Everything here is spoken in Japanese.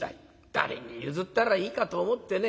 誰に譲ったらいいかと思ってね。